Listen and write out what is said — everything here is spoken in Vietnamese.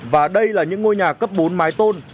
và đây là những ngôi nhà cấp bốn máy tồn